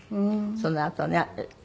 そのあとね。